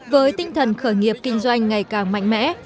với tinh thần khởi nghiệp kinh doanh ngày càng mạnh mẽ